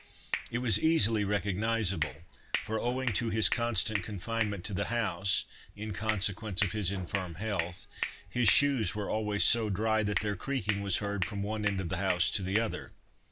It was easily recognisable, for, owing to his constant confinement to the house, in consequence of his infirm health, his shoes were always so dry that their creaking was heard from one end of the house to the other.